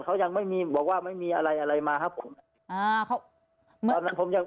เขายังไม่มีบอกว่าไม่มีอะไรอะไรมาครับผมอ่าเขาตอนนั้นผมยัง